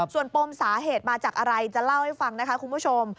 ส่วนปมสาเหตุมาจากอะไรจะเล่าให้ฟังนะคะคุณผู้ชม